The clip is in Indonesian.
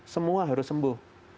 semua harus sembuh